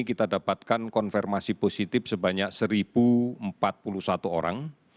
kita dapatkan konfirmasi positif sebanyak satu empat puluh satu orang